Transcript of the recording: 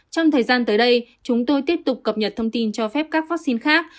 trong thời gian tới đây chúng tôi tiếp tục cập nhật thông tin cho phép các vaccine khác